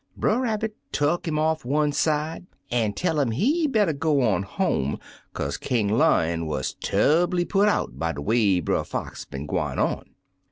Brer Rabbit tuck *im off one side, an* tell *im he better go on home, kaze King Lion wuz tur'bly put out by de way Brer Fox been gwine on.